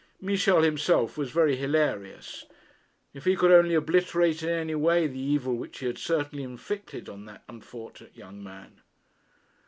Michel himself was very hilarious. If he could only obliterate in any way the evil which he had certainly inflicted on that unfortunate young man!